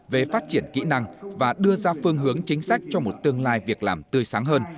về phát triển kỹ năng và đưa ra phương hướng chính sách cho một tương lai việc làm tươi sáng hơn